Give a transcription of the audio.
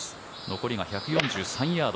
残りが１４３ヤード